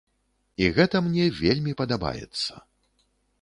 І гэта мне вельмі падабаецца.